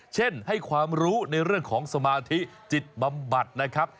เช่นให้ความรู้ในเรื่องของสมาธิจิตบำบัดนะครับ